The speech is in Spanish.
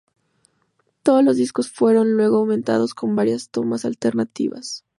Todos los discos fueron luego aumentados con varias tomas alternativas.